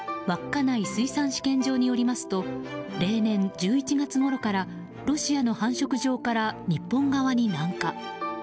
稚内水産試験場によりますと例年１１月ごろからロシアの繁殖場から日本側に南下。